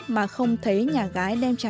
mà không thấy nhà gái đem trả